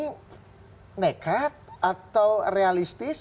kamu nekat atau realistis